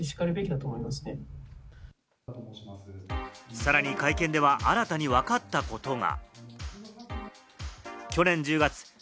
さらに会見では新たにわかったことが。